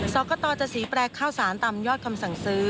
กรกตจะสีแปรข้าวสารตามยอดคำสั่งซื้อ